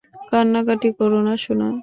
কান্নাকাটি করো না, সোনা!